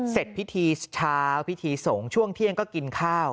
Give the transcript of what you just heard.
เสร็จพิธีเช้าพิธีสงฆ์ช่วงเที่ยงก็กินข้าว